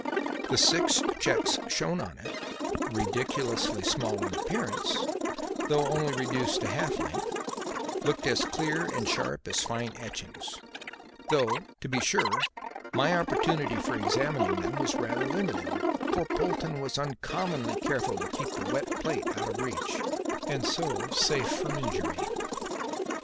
The six cheques shown on it ridiculously small in appearance, though only reduced to half length looked as clear and sharp as fine etchings; though, to be sure, my opportunity for examining them was rather limited, for Polton was uncommonly careful to keep the wet plate out of reach and so safe from injury.